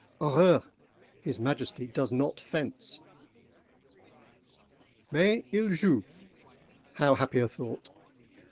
Horreur! his Majesty does not fence! Mais il joue!—how happy a thought!